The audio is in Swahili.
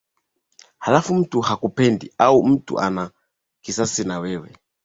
halafu mtu hakupendi au mtu ana kisasi na wewe